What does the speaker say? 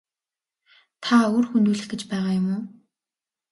Та үр хөндүүлэх гэж байгаа юм уу?